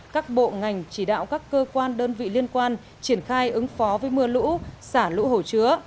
các bộ ngành chỉ đạo các cơ quan đơn vị liên quan triển khai ứng phó với mưa lũ xả lũ hồ chứa